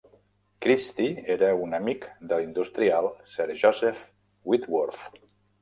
Christie era un amic del industrial Sir Joseph Whitworth.